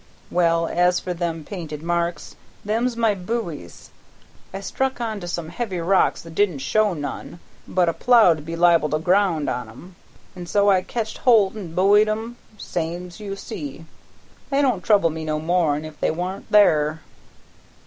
Well, as for them painted marks, them's my buoys. I struck on to some heavy rocks that didn't show none, but a plow'd be liable to ground on 'em, an' so I ketched holt an' buoyed 'em same's you see. They don't trouble me no more'n if they wa'n't there."